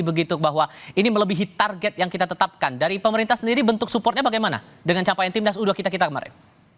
begitu bahwa ini melebihi target yang kita tetapkan dari pemerintah sendiri bentuk supportnya bagaimana dengan capaian timnas u dua puluh kita kita kemarin